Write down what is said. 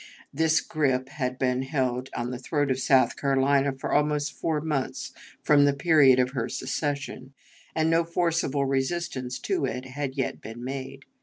This grip had been held on the throat of South Carolina for almost four months from the period of her secession, and no forcible resistance to it had yet been made.